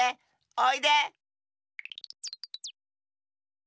おいで！